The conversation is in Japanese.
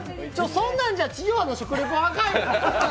そんなんじゃ食リポあかんよ。